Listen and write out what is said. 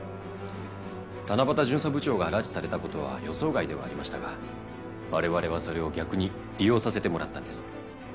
七夕巡査部長が拉致された事は予想外ではありましたが我々はそれを逆に利用させてもらったんです。